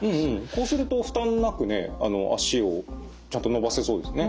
こうすると負担なくね足をちゃんと伸ばせそうですね。